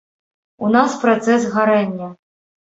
У нас працэс гарэння.